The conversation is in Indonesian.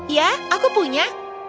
ya aku punya